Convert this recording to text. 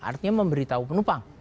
artinya memberitahu penumpang